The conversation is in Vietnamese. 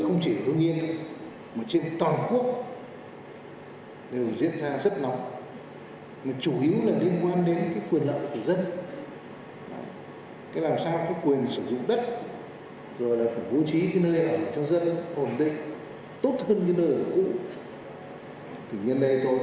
nguyên nhân chủ yếu là liên quan đến vấn đề quyền sử dụng đất